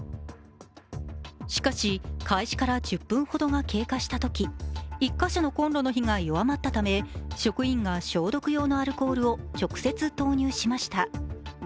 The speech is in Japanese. しかし開始から１０分ほどが経過したとき１か所のコンロの火が弱まったため職員が消毒用のアルコールを直接投入しました。